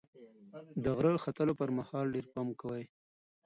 د غره ختلو پر مهال ډېر پام کوئ.